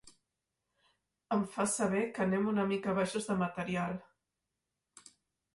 Em fa saber que anem una mica baixos de material.